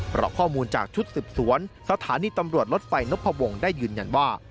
เพราะข้อมูลจากชุดสืบสวนสถานีตำรวจรถไฟนพวงได้ยืนยันว่า